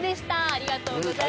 ありがとうございます。